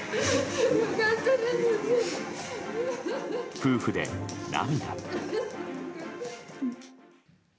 夫婦で涙。